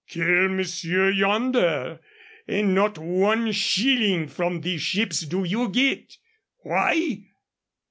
Kill monsieur, yonder, and not one shilling from the ships do you get. Why?